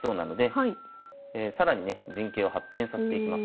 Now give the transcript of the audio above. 陣形を発展させていきます。